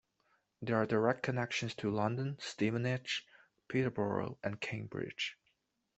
There are direct connections to London, Stevenage, Peterborough, and Cambridge.